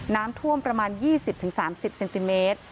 น้ำท่วมประมาณ๒๐๓๐เซนติเมตร